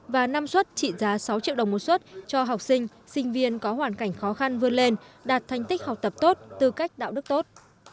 và năm suất trị giá sáu triệu đồng một suất cho học sinh sinh viên có hoàn cảnh khó khăn vươn lên đạt thành tích học tập tốt tư cách đạo đức tốt